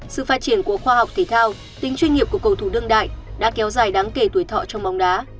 sự phát triển của khoa học thể thao tính chuyên nghiệp của cầu thủ đương đại đã kéo dài đáng kể tuổi thọ trong bóng đá